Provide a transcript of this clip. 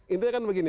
intinya kan begini